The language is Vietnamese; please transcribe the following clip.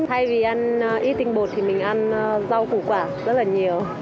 thay vì ăn ít tinh bột thì mình ăn rau củ quả rất là nhiều